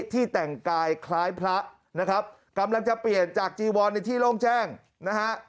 ที่แต่งกายคล้ายพระนะครับกำลังจะเปลี่ยนจากจีวอนในที่โล่งแจ้งนะฮะ